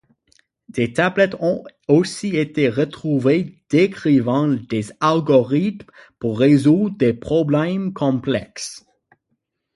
Des tablettes ont aussi été retrouvées décrivant des algorithmes pour résoudre des problèmes complexes.